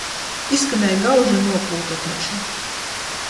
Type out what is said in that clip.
Izskanēja gauža nopūta taču.